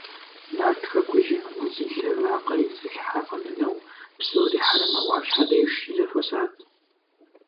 Нарт хэкужьым зи лъэ вакъэ изылъхьэ къэмынэу псори Хьэрэмэ Ӏуащхьэ деж щызэхуэсат.